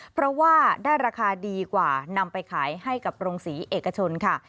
เพราะว่าได้ราคาดีกว่านำไปขายให้กับโรงศรีเอกชนค่ะ